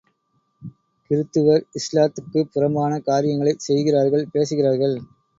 கிறித்துவர் இஸ்லாத்துக்குப் புறம்பான காரியங்களைச் செய்கிறார்கள் பேசுகிறார்கள்.